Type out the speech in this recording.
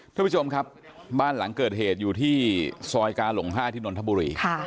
ทุกผู้ชมครับบ้านหลังเกิดเหตุอยู่ที่ซอยกาหลง๕ที่นนทบุรี